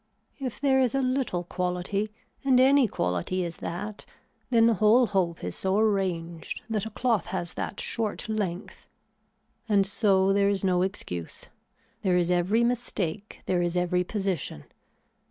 If there is a little quality and any quality is that then the whole hope is so arranged that a cloth has that short length. And so there is no excuse, there is every mistake there is every position.